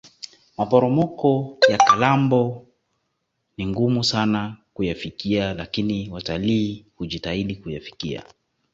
maporomoko ya kalambo ni ngumu sana kuyafikia lakini watalii hujitahidi kuyafikia